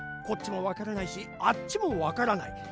こっちもわからないしあっちもわからない。